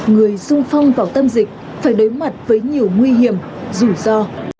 người sung phong vào tâm dịch phải đối mặt với nhiều nguy hiểm rủi ro